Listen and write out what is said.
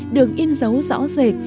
được in dấu rõ rệt